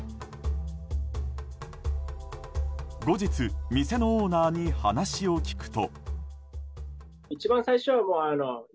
後日、店のオーナーに話を聞くと。